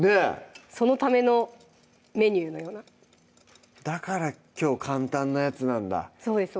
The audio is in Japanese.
そのためのメニューのようなだからきょう簡単なやつなんだそうです